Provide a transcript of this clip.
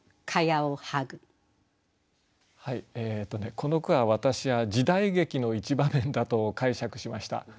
この句は私は時代劇の一場面だと解釈しました。